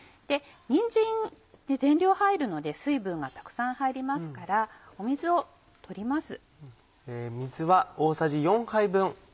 にんじん全量入るので水分がたくさん入りますから水を取ります。